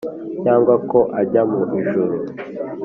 cyangwa ko ajya mu ijuru